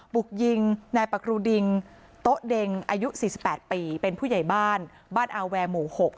บุกยิงนายปะครูดิงโต๊ะเด็งอายุ๔๘ปีเป็นผู้ใหญ่บ้านบ้านอาแวร์หมู่๖